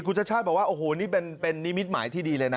คุณชาติชาติบอกว่าโอ้โหนี่เป็นนิมิตหมายที่ดีเลยนะ